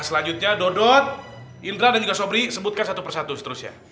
selanjutnya dodot indra dan juga sobri sebutkan satu persatu seterusnya